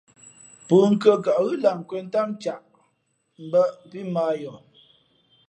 Pûnkhʉ̄ᾱ kαʼ ghʉ́ lah nkwēn ntám ncaʼ mbᾱʼ pí mᾱ ā yαα.